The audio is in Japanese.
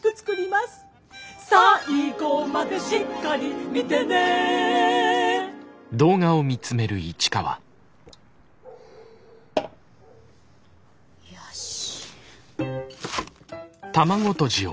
最後までしっかり見てねよし。